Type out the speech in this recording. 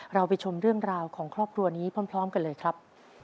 เราไปชมเรื่องราวของครอบครัวนี้พร้อมกันเลยครับ